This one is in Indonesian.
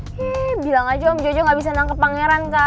bilang aja om jojo gak bisa nangkep pangeran kak